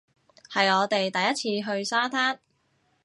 係我哋第一次去沙灘